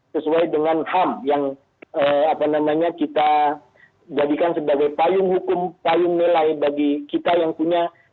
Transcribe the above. sesuai dengan ham yang kita jadikan sebagai payung hukum payung nilai bagi kita yang punya